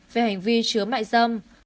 về hành vi chứa mại dâm